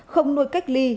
không nuôi cách ly